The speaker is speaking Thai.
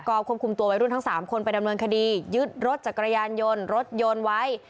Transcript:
ก็ควบคุมตัววัยรุ่นทั้ง๓คนไปดำเนินคดียึดรถจักรยานยนต์รถยนต์ไว้